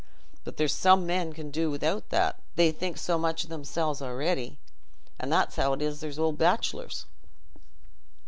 But there's some men can do wi'out that—they think so much o' themselves a'ready. An' that's how it is there's old bachelors."